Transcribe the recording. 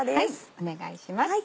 お願いします。